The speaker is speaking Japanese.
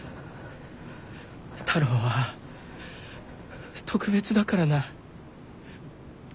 太郎は特別だからな。